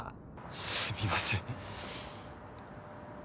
すみません。